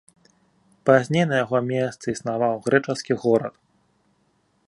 Пазней на яго месцы існаваў грэчаскі горад.